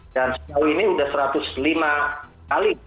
dan setiap ini sudah satu ratus lima